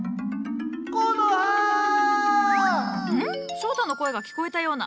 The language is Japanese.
翔太の声が聞こえたような。